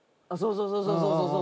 そうそうそうそう。